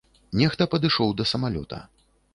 Нехта падышоў да самалёта.